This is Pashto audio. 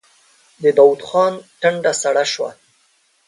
د داوود خان ټنډه سړه شوه.